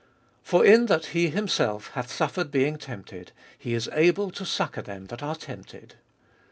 For in that He Himself hath suffered being tempted, He is able to succour them that are tempted.